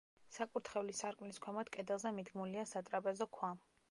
საკურთხევლის სარკმლის ქვემოთ, კედელზე მიდგმულია სატრაპეზო ქვა.